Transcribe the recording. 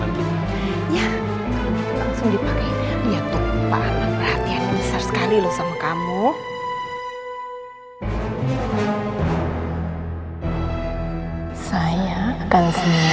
bahagia melihat pak arman